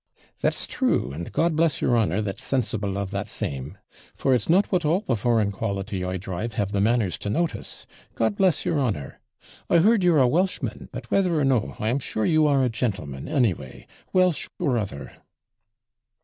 'That's true; and God bless your honour, that's sensible of that same, for it's not what all the foreign quality I drive have the manners to notice. God bless your honour! I heard you're a Welshman, but whether or no, I am sure you are a gentleman, anyway, Welsh or other.'